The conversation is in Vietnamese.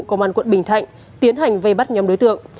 công an quận bình thạnh tiến hành vây bắt nhóm đối tượng